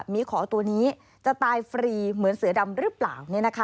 มีขอตัวนี้จะตายฟรีเหมือนเสือดำหรือเปล่า